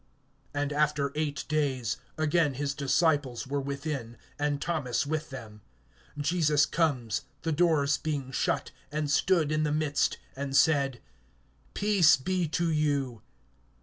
(26)And after eight days, again his disciples were within, and Thomas with them. Jesus comes, the doors being shut, and stood in the midst, and said: Peace be to you.